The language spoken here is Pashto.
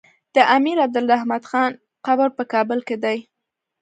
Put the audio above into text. د امير عبدالرحمن خان قبر په کابل کی دی